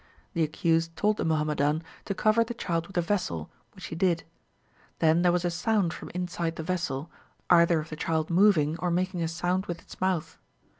The accused told the Muhammadan to cover the child with a vessel, which he did. Then there was a sound from inside the vessel, either of the child moving, or making a sound with its mouth.